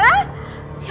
wah non laura